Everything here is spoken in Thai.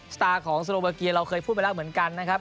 สตาร์ของโซโลบาเกียเราเคยพูดไปแล้วเหมือนกันนะครับ